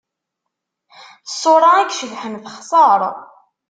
Ṣṣura i icebḥen texṣer.